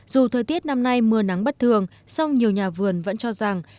dù thời tiết năm nay mưa nắng bất thường song nhiều nhà vườn vẫn cho rằng